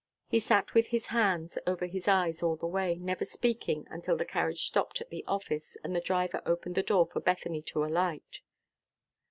He sat with his hands over his eyes all the way, never speaking until the carriage stopped at the office, and the driver opened the door for Bethany to alight.